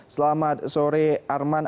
selamat sore arman